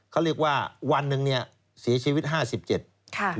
เขาเรียกว่าวันหนึ่งเนี่ยเสียชีวิต๕๗ค่ะ